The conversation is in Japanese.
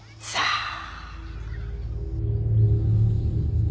さあ。